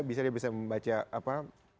bisa dia bisa membaca apa